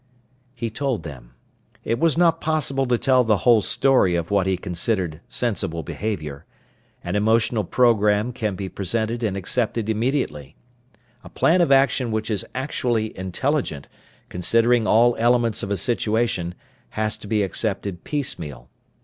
He told them. It was not possible to tell the whole story of what he considered sensible behavior. An emotional program can be presented and accepted immediately. A plan of action which is actually intelligent, considering all elements of a situation, has to be accepted piecemeal.